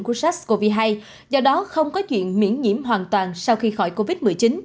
của sars cov hai do đó không có chuyện miễn nhiễm hoàn toàn sau khi khỏi covid một mươi chín